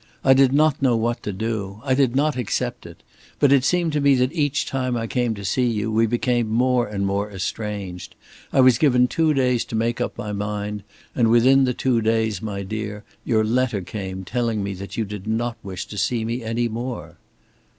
I did not know what to do. I did not accept it. But it seemed to me that each time I came to see you we became more and more estranged. I was given two days to make up my mind, and within the two days, my dear, your letter came, telling me you did not wish to see me any more."